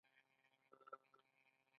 مېز د زاړه پلار کتاب ایښودلو لپاره وي.